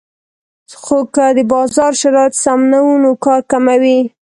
خو که د بازار شرایط سم نه وو نو کار کموي